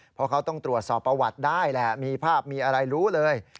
เพราะเขาต้องตรวจสอบประวัติได้แหละมีภาพมีอะไรรู้เลย